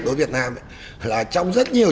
đối với việt nam là trong rất nhiều